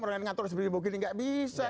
orang yang mengatur seperti ini tidak bisa